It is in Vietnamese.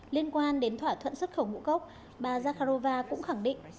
liên quan đến thỏa thuận xuất khẩu ngũ cốc bà zakharova cũng khẳng định